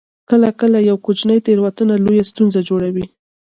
کله کله یوه کوچنۍ تیروتنه لویه ستونزه جوړوي